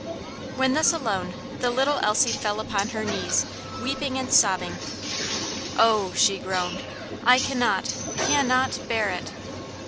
When thus alone the little Elsie fell upon her knees, weeping and sobbing. "Oh!" she groaned, "I cannot, cannot bear it!"